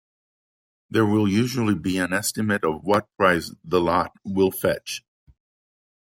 There will usually be an estimate of what price the lot will fetch.